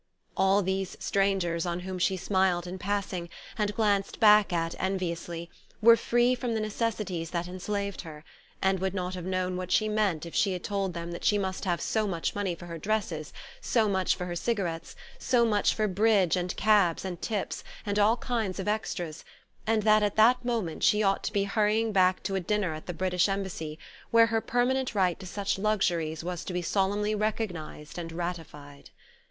All these strangers on whom she smiled in passing, and glanced back at enviously, were free from the necessities that enslaved her, and would not have known what she meant if she had told them that she must have so much money for her dresses, so much for her cigarettes, so much for bridge and cabs and tips, and all kinds of extras, and that at that moment she ought to be hurrying back to a dinner at the British Embassy, where her permanent right to such luxuries was to be solemnly recognized and ratified.